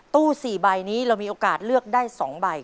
๔ใบนี้เรามีโอกาสเลือกได้๒ใบ